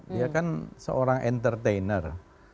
dia kan seorang entertainer